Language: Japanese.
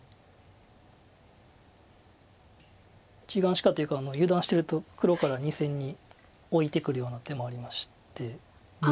１眼しかというか油断してると黒から２線にオイてくるような手もありまして。